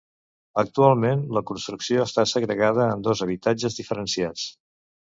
Actualment, la construcció està segregada en dos habitatges diferenciats.